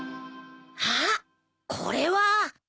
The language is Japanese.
あっこれは。